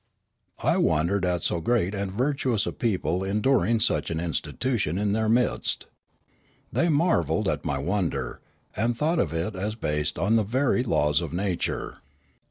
I wondered at so great and virtuous a people endur ing such an institution in their midst. They marvelled at my wonder, and thought of it as based on the very laws of nature.